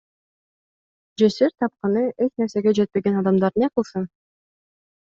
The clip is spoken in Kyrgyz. Жесир, тапканы эч нерсеге жетпеген адамдар не кылсын?